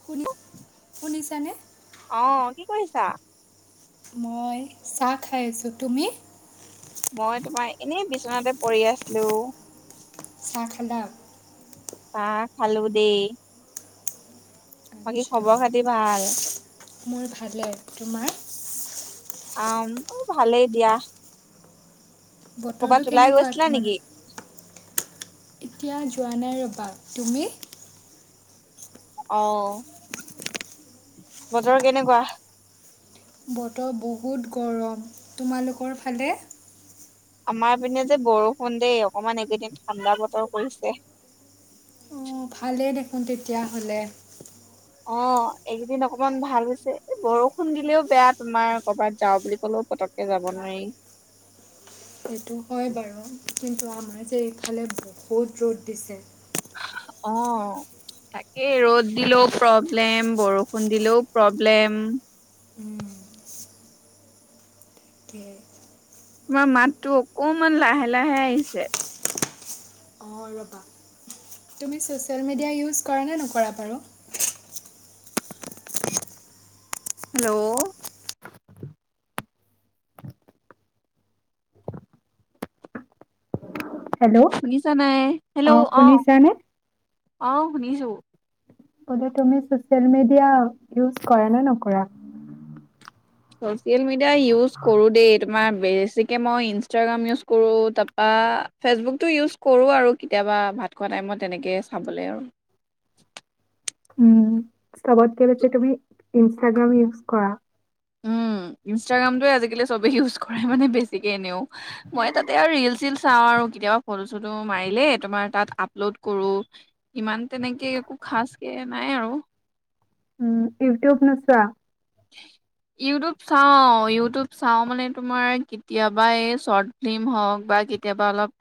শুনি, শুনিছানে? অহ', কি কৰিছা? মই চাহ খাই আছোঁ। তুমি? মই তোমাৰ এনে বিচনাতে পৰি আছিলো। চাহ খালা? অহ ', খালোঁ দে। বাকী আচ্ছা খবৰ খাতি ভাল? মোৰ ভালে তোমাৰ? অম অ ভালেই দিয়া। বতৰটো কৰবাত ওলাই কেনেকুৱা গৈছিলা তোমালোক নেকি? এতিয়া যোৱা নাই ৰ'বা তুমি? অহ। বতৰ কেনেকুৱা? বতৰ বহুত গৰম তোমালোকৰ ফালে? আমাৰ পিনে যে বৰষুণ দেই অকমান এইকেইদিন ঠাণ্ডা বতৰ পৰিছে। অঁ ভালেই দেখোন তেতিয়াহ'লে। অ এইকেইদিন অকমান ভাল হৈছে বৰষুণ দিলেও বেয়া তোমাৰ কৰবাত যাওঁ বুলি কলেও পতককে যাব নোৱাৰি। সেইটো হয় বাৰু কিন্তু আমাৰ যে এইফালে বহুত ৰ'দ দিছে। অ তাকেই ৰ'দ দিলেও প্ৰব্লেম বৰষুণ দিলেও প্ৰব্লেম। তাকে তোমাৰ মাততো অকনমান লাহে লাহে আহিছে। অঁ ৰ'বা তুমি ছ'চিয়েল মিডিয়া ইউজ কৰা নে নকৰা বাৰু? হেল্ল' হেল্ল' শুনিছা নাই অঁ হেল্ল' অ শুনিছানে অ শুনিছো। বোলে তুমি ছচিয়েল মিডিয়া ইউজ কৰা নে নকৰা? ছচিয়ল মি এতিয়া ইউজ কৰো দেই তোমাৰ বেছিকে মই ইনষ্টাগ্ৰাম ইউজ কৰোঁ, তাৰপা ফেচবুকটো ইউজ কৰোঁ আৰু কেতিয়াবা ভাত খোৱা টাইমত তেনেকে চাবলৈ আৰু। উম চবত কে বেছি তুমি ইনষ্টাগ্ৰাম ইউজ কৰা? উম ইনষ্টাগ্ৰাম তোয়ে আজিকালি চবে ইউজ কৰে মানে বেছিকে এনেও। মই তাতে আৰু ৰিল চিল চাওঁ আৰু কেতিয়াবা ফটো চটো মাৰিলে তোমাৰ তাত আপলোড কৰো ইমান তেনেকে একো খাচ কে নাই আৰু। উম ইউটিউব নুচোৱা? ইউটিউব চাওঁ ইউটিউব চাওঁ মানে তোমাৰ কেতিয়াবা এই শৰ্ট ফিল্ম হওঁক বা কেতিয়াবা অলপ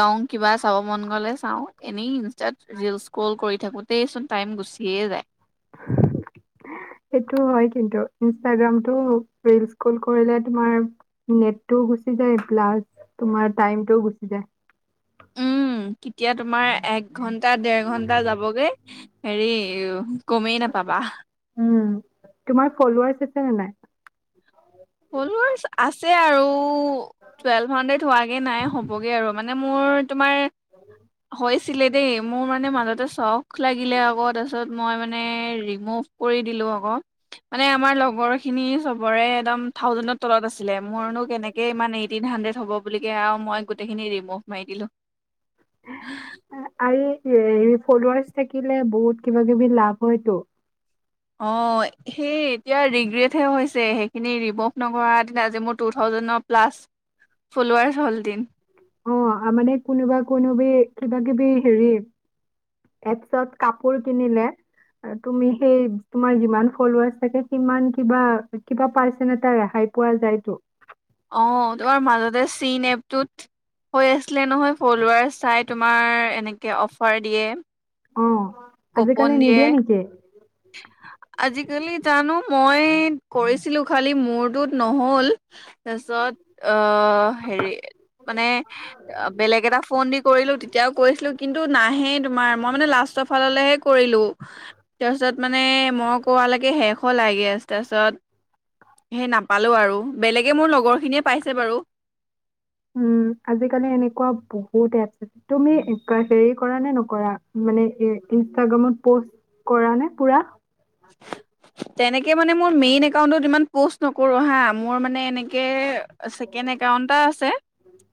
লং কিবা চাব মন গ'লে চাওঁ এনেই ইনষ্টাত ৰিল স্ক্ৰল থাকোতে চোন টাইম গুচিয়ে যায়। সেইটো হয় কিন্তু ইনষ্টাগ্ৰামতটো ৰিল স্ক্ৰল কৰিলে তোমাৰ নেটটোও গুচি যায়, প্লাছ তোমাৰ টাইমটোও গুচি যায়। উম কেতিয়া তোমাৰ এক ঘণ্টা তাত দেৰ ঘণ্টা যাবগে। হেৰি গমেই নাপাবা। উ তোমাৰ ফলোৱাৰছ আছে নে নাই? ফলোৱাৰছ আছে তে আৰু তোৱেলভ হানৰেদ হোৱাগে নাই হব গে আৰু মানে মোৰ তোমাৰ হৈছিলে দেই। মোৰ মানে মাজতে চখ লাগিলে আকৌ তাৰপিছত মই মানে ৰিমুভ কৰি দিলো আকৌ মানে আমাৰ লগৰ খিনি চবৰে একদম থাউজেণ্ডৰ তলত আছিলে মোৰনো কেনেকৈ ইমান এইটিন হাণ্ড্ৰেড হ'ব বুলিকে আৰু মই গোটেইখিনি ৰিমোভ মাৰি দিলোঁ। সেয়েহে ফলৱাৰচ থাকিলে বহুত কিবা কিবি লাভ হয়তো। অ', সেই এতিয়া ৰিগ্ৰেটহে হৈছে সেইখিনি ৰিমভ নকৰাহেঁতেন আজি মোৰ টু থাউজেণ্ড প্লাছ ফলৱাৰচ হল হেতেন। অ', মানে কোনোবা কোনোবি কিবা কিবি হেৰি এপচত কাপুৰ কিনিলে তুমি সেই তোমাৰ যিমান ফলৱাৰচ থাকে সিমান কিবা কিবা পাৰ্চেন এটা ৰেহাই পোৱা যায়টো অ', তোমাৰ মাজতে চিন এপটোত হৈ আছিলে নহয় ফ্লাৱাৰচ চাই তোমাৰ এনেকে অফাৰ দিয়ে। অ', কুপন আজিকালি দিয়ে নিদিয়ে নেকি? আজিকালি জানো মই কৰিছিলো খালি মোৰটোত নহল। তাৰপিছত আহ হেৰি মানে বেলেগ এটা ফোন দি কৰিলো তেতিয়াও কৰিছিলো কিন্তু নাহে তোমাৰ মই মানে লাষ্টত -ফাললেহে কৰিলোঁ তাৰপিছত মানে মই কৰোৱালৈকে শেষ লাগে তাৰপিছত সেই নাম- -পালো আৰু বেলেগে মোৰ লগৰখিনিয়ে- পাইছে বাৰু উ'ম আজিকালি এনেকুৱা বহুত এপ- তুমি [inaudible] কৰা নে নকৰা মানে ইনাগ্ৰামত পষ্ট কৰা নে পুৰা- তেনেকে মানে মোৰ মেইন একাউন্টত ইমান পোষ্ট নকৰো হা মোৰ মানে এনেকে- ছেকেণ্ড একাউট এটা আছে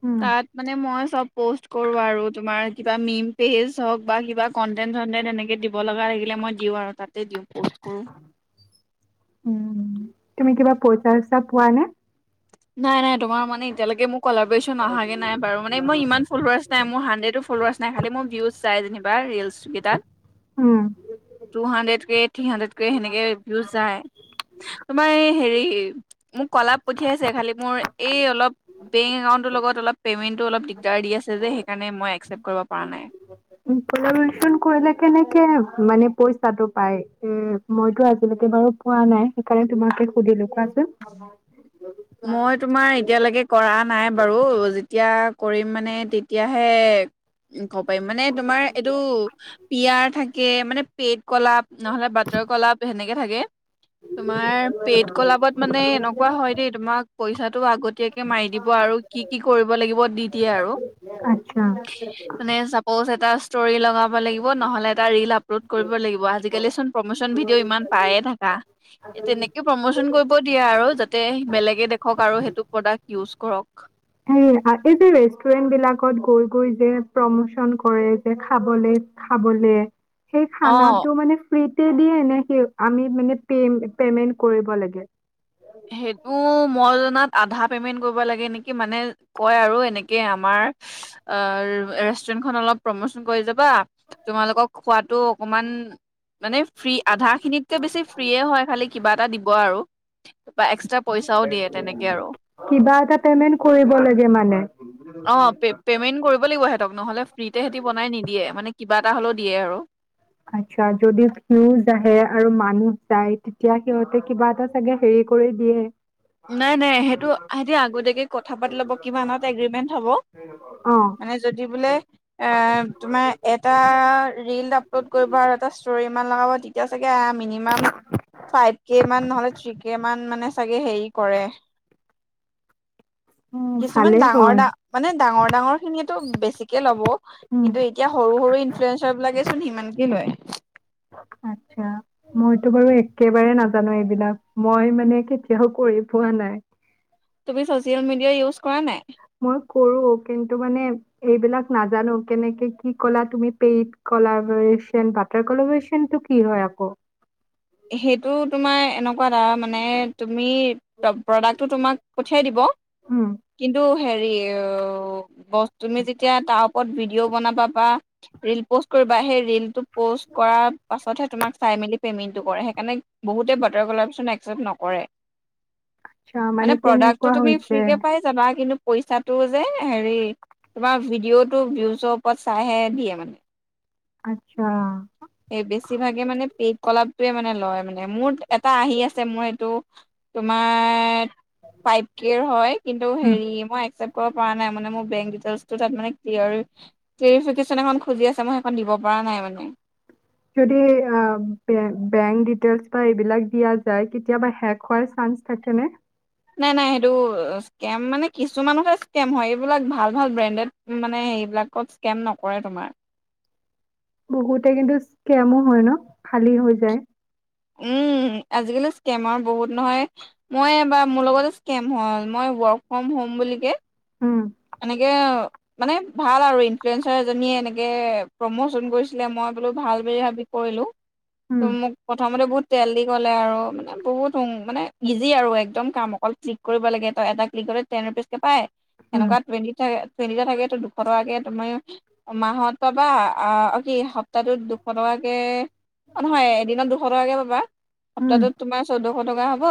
উম, তাত মানে মই চব প'ষ্ট কৰোঁ আৰু তোমাৰ কিবা মিম পেজ হওক বা কিবা কণ্টেণ্ট চনটেণ্ট এনেকৈ দিব লগা থাকিলে মই দিওঁ আৰু তাতে দিওঁ- প'ষ্ট কৰো। উ'ম তুমি কিবা পইচা চইচা পোৱা নে- নাই নাই তোমাৰ মানে এতিয়ালৈকে মোক- কলাৰেচন অহাগে নাই বাৰু মই ইমান ফ্লাৱাৰ্চ নাই মোৰ হাৰ্ডৰেট ফ্লোৱাৰ্চ নাই খাল ম ভিউজ যাই যে ভাইৰেল ৰিলচ কেইটাত- উম, টু হাণ্ড্ৰেডক থ্ৰী হাড্ৰেডক সেনেকে ভিউচ যায় তোমাৰ এই হেৰি- মোক কলাপ- পঠিয়াইছে খালী মোৰ এই অলপ বেংক একাউণ্টটোৰ লগত অলপ পে'মেণ্টটো অলপ দিগদাৰ দি আছে যে সেইকাৰণে মই একচেপ্ট কৰিব পৰা নাই। কলাৰেচন কৰিলে কেনেকে মানে পইচাটো পাই এ মইতো আজিলৈকে বাৰু পোৱা নাই সেইকাৰণে তোমাকে- সুধিলো কোৱাচোন। মই তোমাৰ এতিয়ালৈকে কৰা- -নাই বাৰু যেতিয়া কৰিম মানে তেতিয়াহে- -কব পাৰিম মানে তোমাৰ এইটো পিয়াৰ থাকে। কে মানে পেইট কলাপ নহ'লে বাটৰ কলাপ সেনেকে [unintelligible] তোমাৰ পেইট কলাবত মানে এনেকুৱা হয় দেই তোমাক পইচাটো আগতীয়াকে মাৰি দিব আৰু কি কি কৰিব লাগিব দি দিয়ে আৰু আচ্ছা মানে চাপজ এটা [unintelligible] লগাব লাগিব নহলে এটা ল ৰ কৰিব লাগিব আজিকালি চুন প্ৰমোচন ভিডিঅ ইমান পায়ে থকা তেনেকে প্ৰমোচন দিয়ে আৰু যাতে বেলেগে দেখক আৰু সেইটো প্ৰডাক্ট ইউছ কৰক এই যে ৰেষ্টুৰেন্ট বিলাকত গৈ গৈ যে প্ৰমোচন কৰে যে খাবলে খাবলে সেই অ', খানাটো মানে ফ্ৰ তে দিয়ে নে সি আনি পেমেণ্ট কৰিব লাগে সেইটো মই জনাত আধা পেমেন্ট কৰিব লাগে নেকি মানে কয় আৰু এনেকে আমাৰ ৰেষ্টুৰেন্টখন অলপ প্ৰমোচন কৰি যাবা তোমালোকক খোৱাতো অকমান মানে ফ্ৰী আধা খিনিতকে বেছি ফ্ৰিয়ে হয় খালি কিবা এটা দিব আৰু তাপা এক্সট্ৰা পইচাও দিয়ে তেনেকে আৰু কিবা এটা পেমেন্ট কৰিব লাগে মানে অঁ পেমেণ্ট কৰিব লাগিব হেটক নহলে হেতী ফ্ৰীতে এনেই বনাই নিদিয়ে এটা হ'লেও দিয়ে আৰু আচ্ছা যদিও ঘিউ বাঢ়ে আৰু মানুহ যায় তেতিয়া সিহঁতে কিবা এটা চাগে হেৰি কৰি দিয়ে নাই নাই সেইটো সিহতি আগতীয়াকে কথা পাতি ল'ব কিবা আনত এগ্ৰীমেন্ট হ'ব অ মানে যদি বোলে এ তোমাৰ এটা ৰীল আপলোড কৰিব আৰু এটা ষ্টৰি ইমান লগাব তেতিয়া চাগে মিনিমাম ফাইভ কে মান নহলে থ্ৰী কে মান মানে চাগে হেৰি কৰে উম কিছুমান ভালেই ডাঙৰ হয় মানে ডাঙৰ ডাঙৰ খিনিয়ো বেছিকে ল'ব উম কিন্তু এতিয়া সৰু সৰু ইনফ্লয়েঞ্চাৰ বিলাকে চোন সিমানকে লয় আতছা মইতো বাৰু একেবাৰে নাজানো এইবিলাক মই মানে কেতিয়াও কৰি পোৱা নাই তুমি ছচিয়েল মিডিয়া ইউজ কৰা নাই মই কৰোঁ কিন্তু মানে এইবিলাক নাজানো কেনেকে কি ক'লা তুমি পেইট কলাব্ৰেচন কলব্ৰেচনটো কি হয় আকৌ সেইটো তোমাৰ এনেকুৱা এটা মানে তুমি প্ৰডাক্টটো তোমাক পঠিয়াই দিব উম কিন্তু হেৰি অ বস্তু টোমি যেতিয়া তাৰ ত ভিডিঅ' বনাবা বা ৰিল প'ষ্ট কৰিবা সেই ৰিলটোত প'ষ্ট কৰাৰ পাছতহে তোমাক চাই মেলি পেম কৰে সেইকাৰণে বহুতে বাটাৰ কলব্ৰেচন একচেপ্ট নকৰে আচ্ছা মানে প্ৰডাক্টটো কেনেকুৱা তুমি হৈছে ফ্ৰীকে পাই যাবা কিন্তু পইচাটো যে হেৰি তোমাৰ ভিডিঅ'টো ভিউজৰ ওপৰত চাইহে দিয়ে মানে আচ্ছা এই বেছিভাগে মানে পেট কলাপটোৱে মানে লয় মানে মোৰ এটা আহি আছে মোৰ এইটো তোমাৰ ফাইভ কেৰ হয় কিন্তু উম হেৰি মই এক্সপ কৰা নাই মানে মোৰ বেংক দিতেলছ তাত ক্লেৰ ক্লেৰফিকেচনৰ বাবে খুজি আছে মই সেইখন দিব পৰা নাই মানে সেইটোৱে অঁ অ বেংক দেটেলছ এইবিলাক দিয়া যাই কেতিয়াবা হেক হোৱা চাঞ্চ থাকেনে নাই নাই সেইটো স্কেম মানে কিছুমানহে স্কেম হয় এইবিলাক ভাল ভাল ব্ৰেণ্ডেডত মানে হেবিলাকত স্কেম নকৰে তোমাৰ বহুতে কিন্তু স্কেমো হয় ন খালী হৈ যায় উম আজিকালি স্কেমৰ বহুত নহয় মই এবাৰ মোৰ লগতে স্কেম হ'ল মই ৱৰ্ক ফ্ৰম হোম বুলি কে উম [unintelligible] মানে ভাল আৰু ইনফ্লুৱেঞ্চাৰ এজনীয়ে এনেকে, প্ৰমোচন কৰিছিলে মই বোলো ভাল বুলি ভাবি কৰিলো। ত উম মোক প্ৰথমতে বহুত তেল দি ক'লে আৰু, মানে বহুত মানে ইজি আৰু একদম কাম অকল ক্লিক কৰিব লাগে, তই এটা ক্লিকলে টেন ৰুপিজ কে পাই। উম হেনেকুৱা [inaudible] থাকে। টুৱেন্টিটা থাকো টো দুশ টকাকে তুমাৰ মাহত পাবা অ কি সপ্তাহটোত দুশ টকাকে নহয় এদিনত দুশ টকাকে পাবা উম সপ্তাহটোত তোমাৰ চৈধ্য শ টকা হ'ব।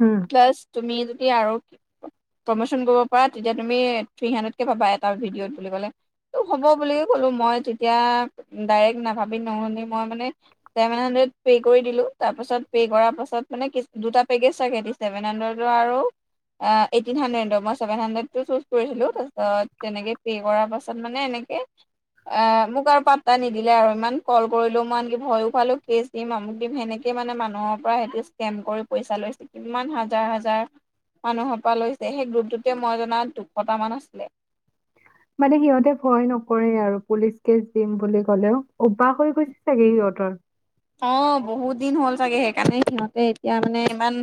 উম প্লাছ। তুমি যদি আৰু প্ৰমোচন কৰিব পাৰা। তেতিয়া তুমি থ্ৰী হাণ্ড্ৰেডকে পাবা এটা ভিডিঅ'ত বুলি ক'লে, ত' হ'ব বুলিুল ক'লো মই তেতিয়া, ডাইৰেক্ট নাভাবি নহুনি মই মানে ছেভেন হাণ্ড্ৰেড পে' কৰি দিলো। তাৰপাছত পে' কৰাৰ পাছত মানে কি দুটা পেকেজ চাকে ছেভেন হাণ্ড্ৰেডৰ আৰু এইটিন হাড্ৰেডৰ মই ছেভেন হাড্ৰেড। চুজ কৰিছিলো তাৰপিছত, তেনেকে পে' কৰাৰ পাছত মানে এনেকে এ, মোক আৰু পাতটা নিদিলে আৰু ইমান কল কৰিলো ইমান কি ভয়ো খুৱালোঁ কেছ দিম আমুক দিম সেনেকে মানে মানুহৰ পৰা সহঁতে স্কেম কৰি পইচা লৈছে, কিমান হাজাৰ হাজাৰ মানুহৰ পৰা লৈছে সেই গ্ৰুপটোতে মই জনাত। দুশট মান আছিলে। মানে সিহঁতে ভয় নকৰে আৰু পুলিচ কেচ দিম বুলি ক'লেও অ্বাস হৈ গৈছে চাগে সিহঁতৰ। অ বহুত দিন হ'ল চাগে সেইকাৰণে সিহঁতে এতিয়া মানে ইমান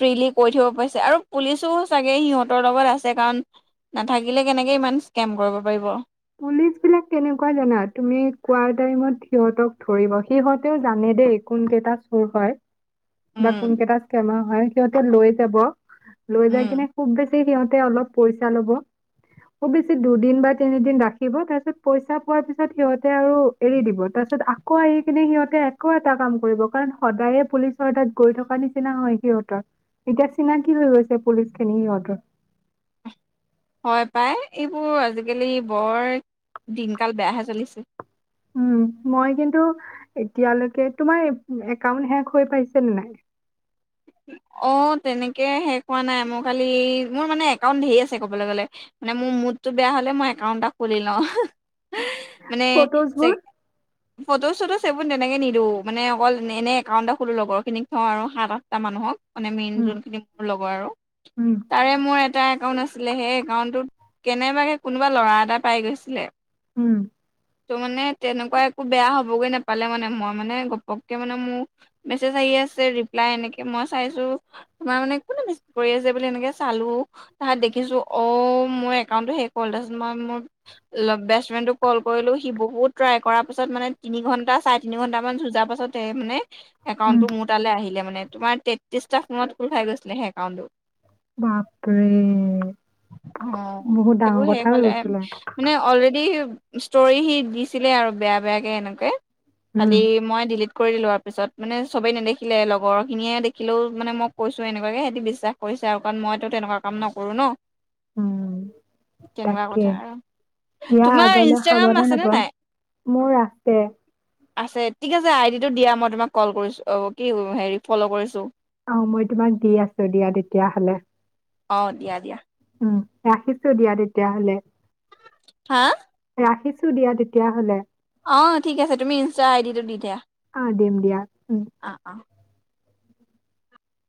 ফ্ৰীলি কৈ থব পাৰিছে আৰু পুলিচো চাগে সিহঁতৰ লগত আছে কাৰণ, নাথাকিলে কেনেকে ইমান স্কেম কৰিব পাৰিব। পুলিচ বিলাক কেনেকুৱা জানা তুমি কোৱাৰটাইমত সিহঁতক ধৰিব সিহঁতেও জানে দেই কোনকেইটা চোৰ হয়। বা উম কোনকেইটা স্কেমাৰ হয়। সিহঁতে লৈ যাব। লৈ উম যায় কিনে খুব বেছি। সিহঁতে অলপ পইচা লব, খুব বেছি দুদিন বা তিনিদিন ৰাখ। ৰাখিব তাৰ পিচত পইচা পোৱাৰ পিছত সিহত। তে আৰু এৰি দিব তাৰপিছত আ। ক আহি কিনে সিহঁতে একো এটা কাম কৰিব কাৰণ সদায়ে পুলিচৰ তাত গৈ থকা নিচিনা হয় সিহঁতৰ এতিয়া চিনাকি হৈ গৈছে পুলিচ খিনি সিহঁতৰ। হয় পাই এইবোৰ আজিকালি বৰ দিনকাল বেয়াহে চলিছে। উ মই কিন্তু এতিয়ালৈকে তোমাৰ একাউণ্ট হেক হৈ পাইছে নে নাই। অ তেনেকে হেক হোৱা নাই, মোৰ খালি মোৰ মানে একাউণ্ট ধেৰ আছে ক'বলৈ গলে মানে মোৰ মুডটো বেয়া হলে মই একাউণ্ট এটা খুলি লওঁ। [inaudible] [unintelligible] মানে ফটোজ চ বোৰ ফটো চটোচ সেইবোৰ তেনেকে নিদো মানে অকল এনে একাউণ্ট এটা খোলো লগৰ খিনিক থওঁ আৰু সাত। এটা মানুহক। মানে মেইন উম, যোনখিনি মোৰ লগৰ আৰু, উম, তাৰে মোৰ। এটা একাউণ্ট আছিলে সেই একাউণ্টটোত কেনেবাকে কোনোবা ল'ৰা এটা পাই গৈছিলে। উম। ত' মানে তেনেকুৱা একো বেয়া হ'বগে নাপালে মানে মই মানে গপককে মানে মোৰ মেছেজ আহি আছে ৰিপ্লাই এনেকে। মই চাইছো, তোমাৰ মানে কোনে মেছেজ কৰি আছে বুলি এনেকে চালো, তাত দেখিছো অ মোৰ একাউণ্টটো সেই কল তাৰপিছত মই মোৰ বেষ্ট ফ্ৰেণ্ডটোক কল কৰিলো সি বহুত ট্ৰাই কৰাৰ পিছত মানে তিনি ঘন্টা চাই তিনি ঘণ্টা মান যোৱাৰ পিছত মানে। একাউণ্ট উম, টো মোৰ তালে আহিলে মানে। তোমাৰ তেত্ৰিশটা ফোনত খুল খাই গৈছিলে সেই একাউণ্টো। বাপৰে অ [unintelligible] বহুত এইবোৰ ডাঙৰ শেষ কথা হৈ হলে গৈছিলে। মানে অলৰেডি ষ্টৰি সি দিছিলে আৰু বেয়া বেয়াকে এনেকে। খালি উম, মই দিলিট। কৰি দিলো আৰু পিছত মানে চবেই নেদেখিলে লগৰ। সেইখিনিয়ে দেখিলেও মানে মই কৈছো এনেকুৱাকে সেতি বিশ্বাস কৰিছে আৰু কাৰণ মই। তেনেকুৱা কাম নকৰো ন। উম, ' তেনেকুৱা তাকে কথা আৰু ইয়াৰ তোমাৰ আগলৈ ইনষ্টাগ্ৰাম সাৱধান হব আছেনে নাই? মোৰ আছে আছে ঠিক আছে আই ডি টো দিয়া মই তোমাক কল কৰিছো অ কি হেৰি। ফল্লো' কৰিছোঁ। অ মই তোমাক দি আছো দিয়া তেতিয়া হলে। অ দিয়া দিয়া। উম ৰাখিছো দিয়া তেতিয়াহলে। হা ৰাখিছো দিয়া তেতিয়াহলে অ ঠিক আছে তুমি ইনষ্টা আইডিটো দি দিয়া অ, দিম দিয়া উম। অ অ